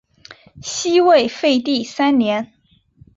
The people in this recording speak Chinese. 西魏废帝三年。